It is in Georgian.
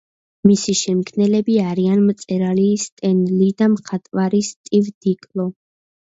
მისი შემქმნელები არიან მწერალი სტენ ლი და მხატვარი სტივ დიტკო.